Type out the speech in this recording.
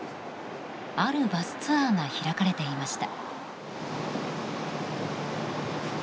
あるバスツアーが開かれていました。